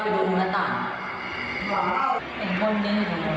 ได้รู้ว่าขอบ้านเลยไง